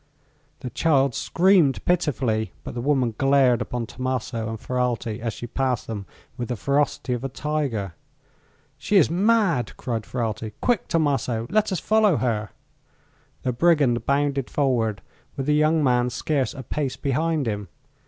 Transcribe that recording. The child screamed pitifully, but the woman glared upon Tommaso and Ferralti, as she passed them, with the ferocity of a tiger. "She is mad!" cried Ferralti. "Quick, Tommaso; let us follow her." The brigand bounded forward, with the young man scarce a pace behind him.